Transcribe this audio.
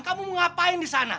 kamu mau ngapain di sana